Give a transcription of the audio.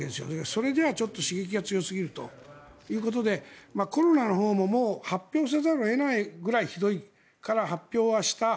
それじゃあ刺激が強すぎるということでコロナのほうも発表せざるを得ないぐらいひどいから発表はした。